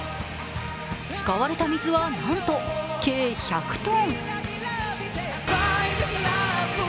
使われた水は、なんと計１００ｔ。